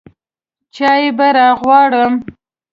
چاى به راغواړم.